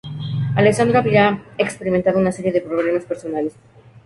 Alessandro habría experimentado una serie de problemas personales.